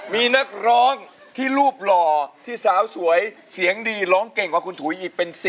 มีนักร้องที่รูปหล่อที่สาวสวยเสียงดีร้องเก่งกว่าคุณถุยอีกเป็น๑๐